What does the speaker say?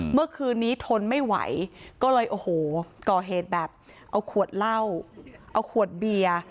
เมื่อคืนนี้ทนไม่ไหวก็เลยโอ้โหก่อเหตุแบบเอาขวดเหล้าเอาขวดเบียร์